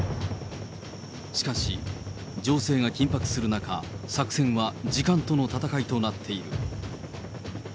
しかし、情勢が緊迫する中、作戦は時間との戦いとなっている。